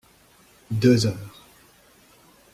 Deux heures.